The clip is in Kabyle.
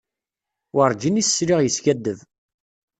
Werǧin i s-sliɣ yeskaddeb.